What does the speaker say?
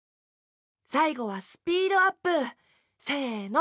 さいごはスピードアップ！せの！